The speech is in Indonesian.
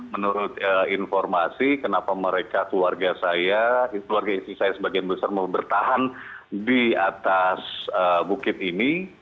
menurut informasi kenapa mereka keluarga saya keluarga istri saya sebagian besar mau bertahan di atas bukit ini